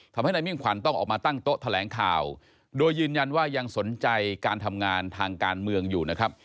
ทำให้นายมิ่งขวัญต้องออกมาตั้งโต๊ะแถลงข่าวโดยยืนยันว่ายังสนใจการทำงานทางการเมืองอยู่นะครับ